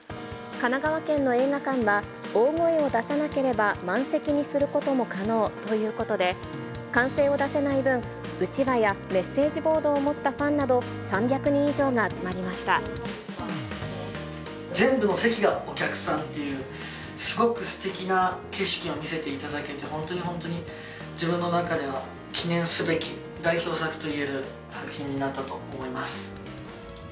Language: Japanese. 神奈川県の映画館は、大声を出さなければ、満席にすることも可能ということで、歓声を出せない分、うちわやメッセージボードを持ったファンなど、３００人以全部の席がお客さんっていう、すごくすてきな景色を見せていただけて、本当に本当に、自分の中では、記念すべき代表作といえる作品になったと思います。